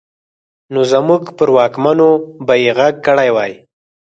نو زموږ پر واکمنو به يې غږ کړی وای.